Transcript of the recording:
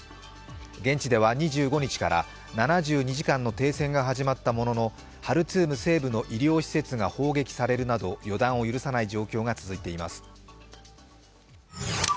現地では２５日から７２時間の停戦が始まったもののハルツーム西部の医療施設が砲撃を受けるなど予断を許さない状況が続いています。